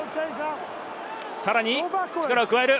さらに力を加える。